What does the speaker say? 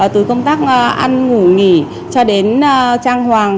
từ công tác ăn ngủ nghỉ cho đến trang hoàng